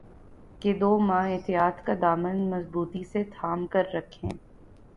کہ دو ماہ احتیاط کا دامن مضبوطی سے تھام کررکھیں